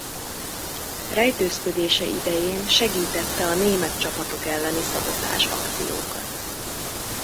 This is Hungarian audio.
Rejtőzködése idején segítette a német csapatok elleni szabotázs akciókat.